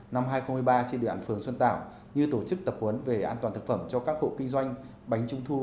năm hai nghìn một mươi ba trên đoạn phường xuân tảo như tổ chức tập huấn về an toàn thực phẩm cho các hộ kinh doanh bánh trung thu